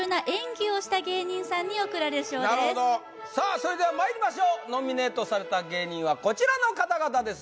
それではまいりましょうノミネートされた芸人はこちらの方々です